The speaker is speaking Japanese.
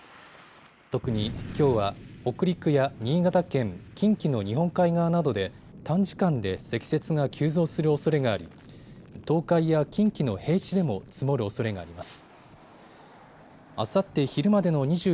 特にきょうは北陸や新潟県近畿の日本海側などで短時間で積雪が急増するおそれがあり東海や近畿の平地でも積もるおそれがあります。